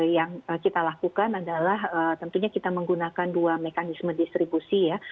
yang kita lakukan adalah tentunya kita menggunakan dua mekanisme distribusi ya